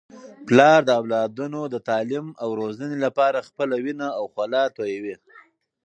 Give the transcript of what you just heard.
پلار د اولادونو د تعلیم او روزنې لپاره خپله وینه او خوله تویوي.